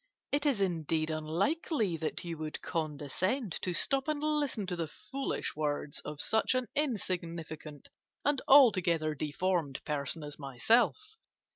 "It is indeed unlikely that you would condescend to stop and listen to the foolish words of such an insignificant and altogether deformed person as myself.